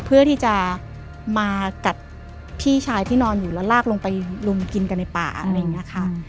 เพื่อที่จะมากัดพี่ชายที่นอนอยู่แล้วลากลงไปลุมกินกันในป่าอะไรอย่างนี้ค่ะ